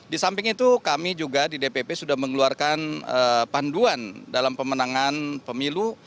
di samping itu kami juga di dpp sudah mengeluarkan panduan dalam pemenangan pemilu